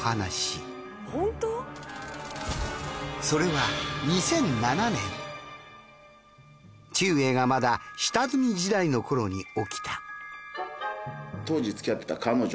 それは２００７年ちゅうえいがまだ下積み時代のころに起きた。